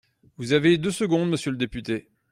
Vous avez deux secondes, monsieur le député.